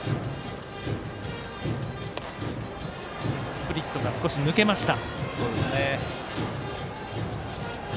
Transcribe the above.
スプリットが少し抜けました。